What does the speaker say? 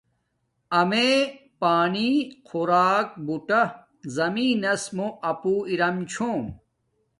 امیے اپانݵ خوراک بوٹہ زمین نس مُو اپو ارم چھوم